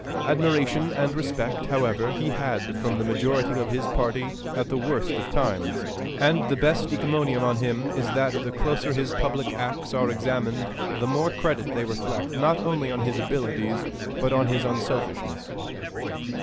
Admiration and respect, however, he had from the majority of his party at the worst of times; and the best encomium on him is that the closer his public acts are examined, the more credit they reflect not only on his abilities but on his unselfishness.